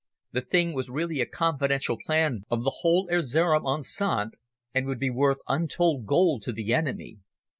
The thing was really a confidential plan of the whole Erzerum enceinte, and would be worth untold gold to the enemy.